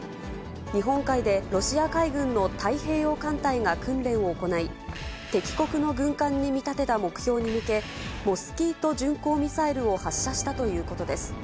日本海でロシア海軍の太平洋艦隊が訓練を行い、敵国の軍艦に見立てた目標に向け、モスキート巡航ミサイルを発射したということです。